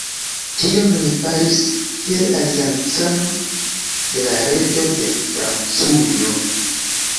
Tion li faris kiel aliancano de la reĝo de Francujo.